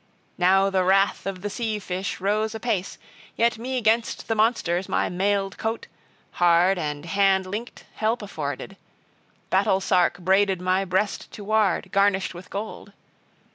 Now the wrath of the sea fish rose apace; yet me 'gainst the monsters my mailed coat, hard and hand linked, help afforded, battle sark braided my breast to ward, garnished with gold.